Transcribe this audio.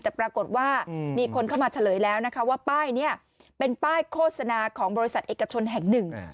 แต่ปรากฏว่ามีคนเข้ามาเฉลยแล้วนะคะว่าป้ายนี้เป็นป้ายโฆษณาของบริษัทเอกชนแห่งหนึ่ง